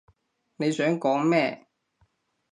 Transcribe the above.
你想講咩？